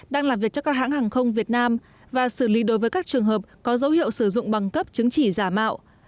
đang làm việc cho các hãng hàng không việt nam và xử lý đối với các trường hợp có dấu hiệu sử dụng băng cấp chứng chỉ giả mạo